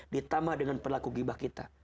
ditambah dengan perlaku gibah kita